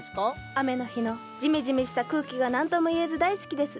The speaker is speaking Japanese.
雨の日のジメジメした空気が何とも言えず大好きです。